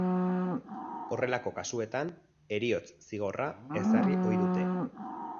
Horrelako kasuetan, heriotz zigorra ezarri ohi dute.